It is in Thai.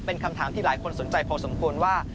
เป็นคำถามที่หลายคนสนใจพอสมควรว่า